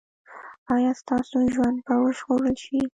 ایا ستاسو ژوند به وژغورل شي؟